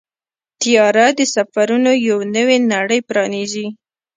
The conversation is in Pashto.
طیاره د سفرونو یو نوې نړۍ پرانیزي.